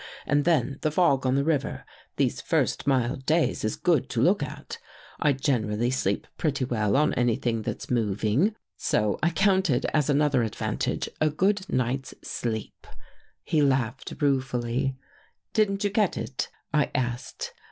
And then the fog on the river, these first mild days. Is good to look at. I generally sleep pretty well on anything that's moving, so I 156 THROUGH THE GRILLE counted as another advantage, a good night's sleep." He laughed ruefully. " Didn't you get it? " I asked.